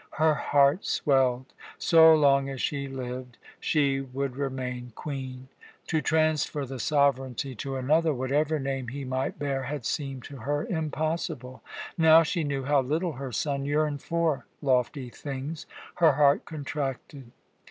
Her heart swelled. So long as she lived she would remain Queen. To transfer the sovereignty to another, whatever name he might bear, had seemed to her impossible. Now she knew how little her son yearned for lofty things. Her heart contracted.